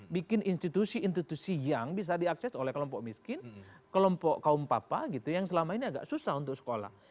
bikin institusi institusi yang bisa diakses oleh kelompok miskin kelompok kaum papa gitu yang selama ini agak susah untuk sekolah